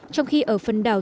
trong khi ở phần đảo